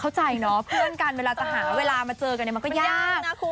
เข้าใจเนอะเพื่อนกันเวลาจะหาเวลามาเจอกันมันก็ยาก